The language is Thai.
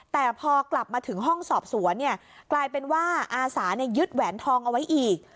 แต่พอกลับมาถึงห้องสอบสวนเนี่ยกลายเป็นว่าอาสายึดแหวนทองเอาไว้อีก